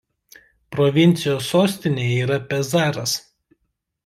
Provincijos sostinė yra Pezaras.